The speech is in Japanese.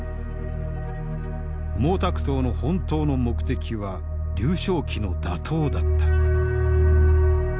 毛沢東の本当の目的は劉少奇の打倒だった。